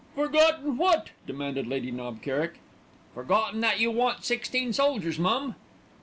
"Forgotten what?" demanded Lady Knob Kerrick. "Forgotten that you want sixteen soldiers, mum."